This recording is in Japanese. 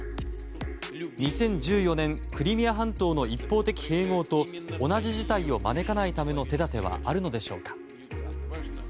２０１４年クリミア半島の一方的併合と同じ事態を招かないための手立てはあるのでしょうか。